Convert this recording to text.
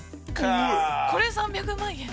これ３００万円？